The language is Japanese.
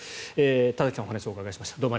田崎さんにお話をお伺いしました。